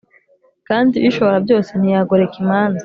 kandi ishoborabyose ntiyagoreka imanza